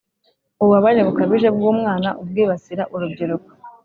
ububabare bukabije bw’umwana, ubwibasira urubyiruko,